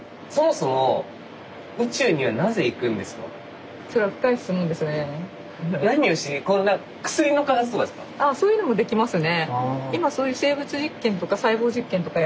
そういうのもできますね。